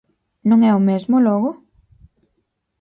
¿Non é o mesmo, logo?